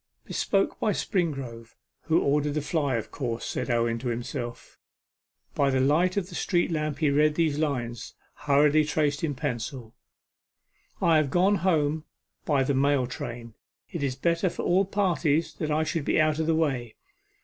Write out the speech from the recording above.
'Bespoken by Springrove, who ordered the fly, of course,' said Owen to himself. By the light of the street lamp he read these lines, hurriedly traced in pencil: 'I have gone home by the mail train. It is better for all parties that I should be out of the way.